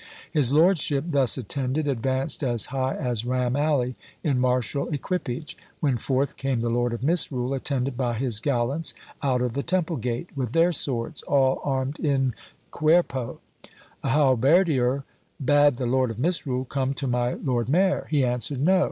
His lordship, thus attended, advanced as high as Ram alley in martial equipage; when forth came the Lord of Misrule, attended by his gallants, out of the Temple gate, with their swords, all armed in cuerpo. A halberdier bade the Lord of Misrule come to my Lord Mayor. He answered, No!